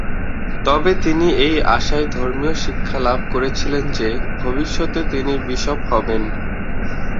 তবে তিনি এই আশায় ধর্মীয় শিক্ষা লাভ করেছিলেন যে ভবিষ্যতে তিনি বিশপ হবেন।